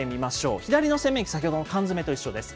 左の洗面器、先ほどの缶詰と一緒です。